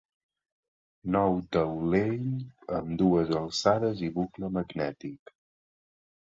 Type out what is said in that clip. Nou taulell amb dues alçades i bucle magnètic.